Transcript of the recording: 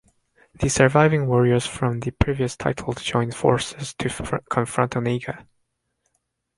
The surviving warriors from the previous titles join forces to confront Onaga.